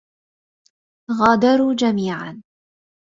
غادروا جميعا.